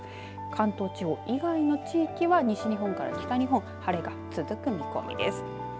関東地方以外の地域は西日本から北日本晴れが続く見込みです。